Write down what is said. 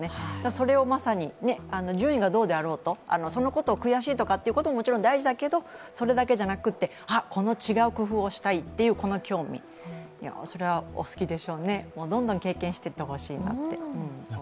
それをまさに順位がどうであろうと、そのことを悔しいと思うことはもちろん大事だけど、それだけじゃなくて、違う工夫をしたいというこの興味、それはお好きでしょうねどんどん経験していってほしいなと思います。